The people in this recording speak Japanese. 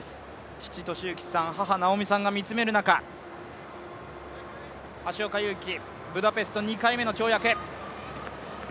父、利行さん、母、直美さんが見つめる中橋岡優輝、ブダペスト２回目の跳躍。